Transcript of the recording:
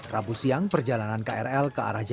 rabu siang perjalanan krl ke arah jakarta